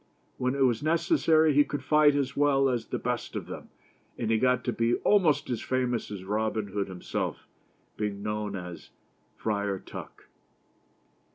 When it was necessary, he could fight as well as the best of them, and he got to be almost as famous as Robin Hood him self, being known as Friar Tuck.